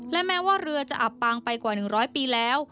และแม้ว่าเรือจะอับปางไปกว่า๑๐๐ปีแล้ว